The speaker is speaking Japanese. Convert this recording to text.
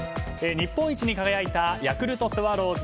日本一に輝いたヤクルトスワローズ。